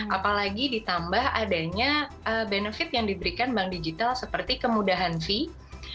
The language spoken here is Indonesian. apalagi ditambah adanya benefit yang diberikan bank digital seperti kemudahan fee